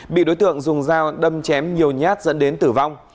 bị đối tượng dùng dao đâm chém nhiều nhát dẫn đến tử vong